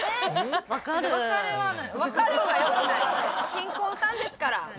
新婚さんですから。